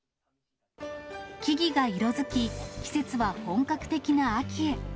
木々が色づき、季節は本格的な秋へ。